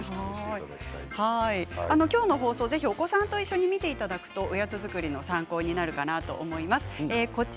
きょうの放送お子さんと一緒に見ていただくとおやつ作りの参考になると思います。